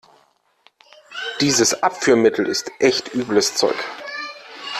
Dieses Abführmittel ist echt übles Zeug.